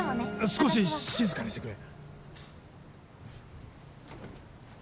少し静かにしてくれ。